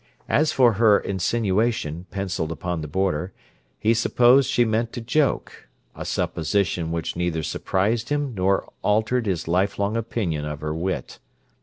As for her insinuation, pencilled upon the border, he supposed she meant to joke—a supposition which neither surprised him nor altered his lifelong opinion of her wit.